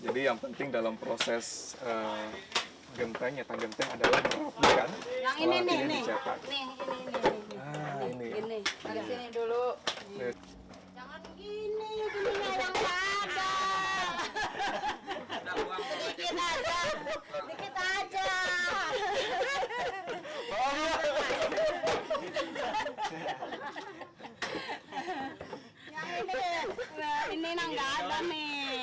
jadi yang penting dalam proses genteng nyetang genteng adalah diperlukan setelah dicapai